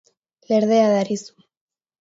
Lerdea darizu.